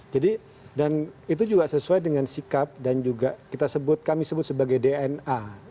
jadi dan itu juga sesuai dengan sikap dan juga kita sebut kami sebut sebagai dna